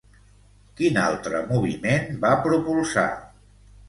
Quin altre moviment va propulsar?